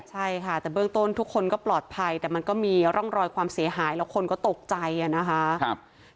ใช่ค่ะแต่เบื้องต้นทุกคนก็ปลอดภัยแต่มันก็มีร่องรอยความเสียหายแล้วคนก็ตกใจนะคะ